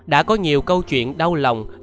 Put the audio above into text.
đã có nhiều câu chuyện đau lòng